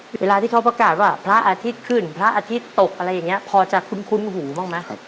เวลาที่เขาประกาศว่าพระอาทิตย์ขึ้นพระอาทิตย์ตกอะไรอย่างนี้พอจะคุ้นหูบ้างไหม